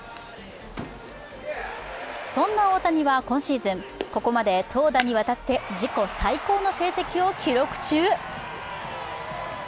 そんな大谷は今シーズン、ここまで投打にわたって自己最高の成績を記録中。